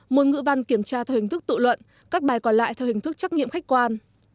môn ngữ văn kiểm tra theo hình thức tự luận các bài còn lại theo hình thức trắc nghiệm khách quan